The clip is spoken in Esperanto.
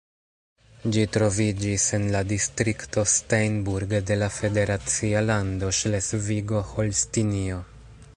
Ĝi troviĝis en la distrikto Steinburg de la federacia lando Ŝlesvigo-Holstinio.